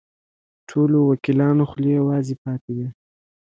ټولو وکیلانو خولې وازې پاتې وې.